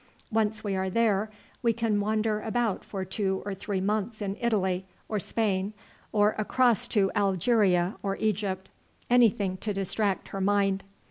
Once we are there, we can wander about for two or three months in Italy or Spain, or across to Algeria or Egypt anything to distract her mind."